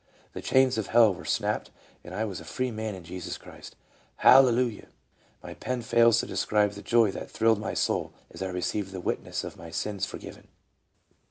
The chains of hell were snapped and I was a free man in Christ Jesus. Hallelujah! .... My pen fails to describe the joy that thrilled my soul as I re ceived the witness of my sins forgiven.